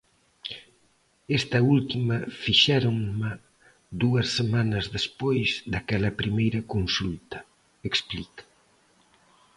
Esta última fixéronma dúas semanas despois daquela primeira consulta, explica.